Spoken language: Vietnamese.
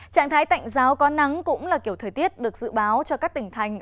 trạng thái tạnh giáo có nắng cũng là kiểu thời tiết được dự báo cho các tỉnh thành